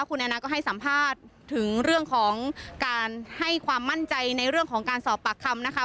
คุณแอนนาก็ให้สัมภาษณ์ถึงเรื่องของการให้ความมั่นใจในเรื่องของการสอบปากคำนะคะ